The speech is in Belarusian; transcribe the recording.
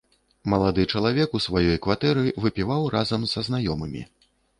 Малады чалавек у сваёй кватэры выпіваў разам са знаёмымі.